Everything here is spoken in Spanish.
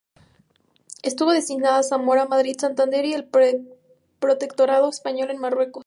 Estuvo destinado en Zamora, Madrid, Santander y en el Protectorado español en Marruecos.